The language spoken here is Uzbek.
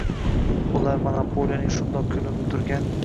bular monopoliyaning shundoq ko‘rinib turgan